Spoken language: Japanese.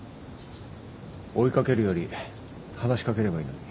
追い掛けるより話し掛ければいいのに。